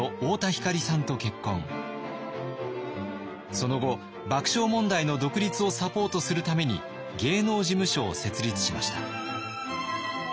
その後爆笑問題の独立をサポートするために芸能事務所を設立しました。